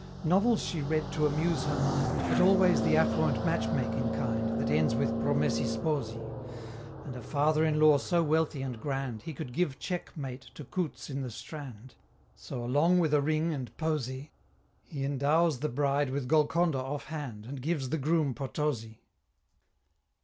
Novels she read to amuse her mind, But always the affluent match making kind That ends with Promessi Sposi, And a father in law so wealthy and grand, He could give cheque mate to Coutts in the Strand; So, along with a ring and posy, He endows the Bride with Golconda off hand, And gives the Groom Potosi.